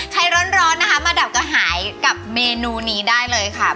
ใครร้อนนะคะมาดับกระหายกับเมนูนี้ได้เลยค่ะ